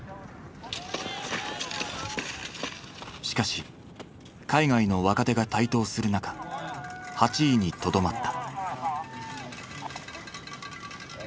しかし海外の若手が台頭する中８位にとどまった。